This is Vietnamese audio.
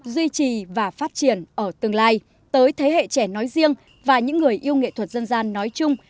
duy trì và phát triển ở tương lai tới thế hệ trẻ nói riêng và những người yêu nghệ thuật dân gian nói chung